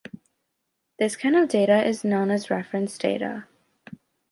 This kind of data is known as reference data.